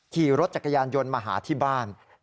ขี่รถจักรยานยนต์มาหาที่บ้าน